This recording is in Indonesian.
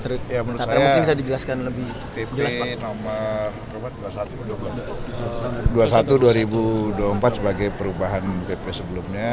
ya menurut saya pp nomor dua puluh satu dua ribu dua puluh empat sebagai perubahan pp sebelumnya